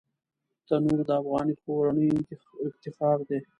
تنور د افغاني کورنۍ افتخار دی